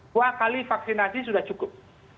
dua kali vaksinasi sudah cukup